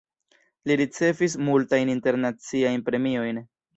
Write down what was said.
Li ricevis multajn internaciajn premiojn.